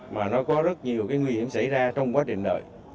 mà nó có rất nhiều cái nguy hiểm xảy ra trong quá trình nợ